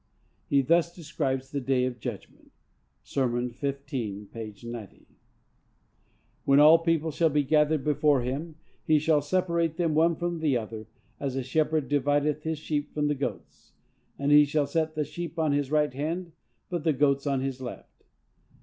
He thus describes the day of judgment (Sermon 15, p. 90): When all people shall be gathered before him, "he shall separate them, one from another, as a shepherd divideth his sheep from the goats; and he shall set the sheep on the right hand, but the goats on the left."